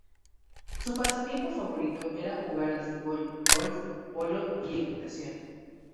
Su pasatiempo favorito era jugar al fútbol, golf, polo y equitación.